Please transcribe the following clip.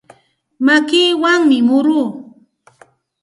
Makiwanmi muruu.